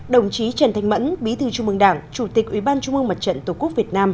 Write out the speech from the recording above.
đồng chí nguyễn thủ tướng nguyễn thủ tướng lê đức anh